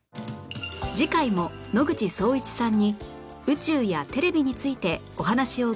次回も野口聡一さんに宇宙やテレビについてお話を伺います